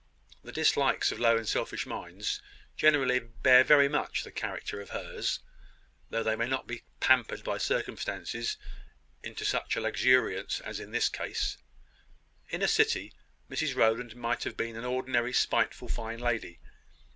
The dislikes of low and selfish minds generally bear very much the character of hers, though they may not be pampered by circumstances into such a luxuriance as in this case. In a city, Mrs Rowland might have been an ordinary spiteful fine lady.